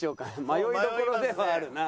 迷いどころではあるな。